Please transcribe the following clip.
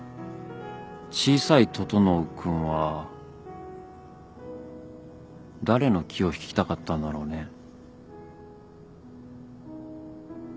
小さい整君は誰の気を引きたかったんだろうね。